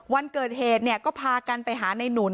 วันเกิดเหตุเนี่ยก็พากันไปหาในหนุน